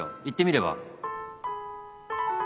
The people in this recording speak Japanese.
行ってみれば？